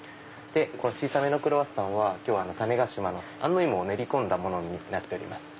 この小さめのクロワッサンは種子島の安納芋を練り込んだものになってます。